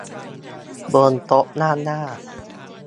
บนโต๊ะด้านหน้า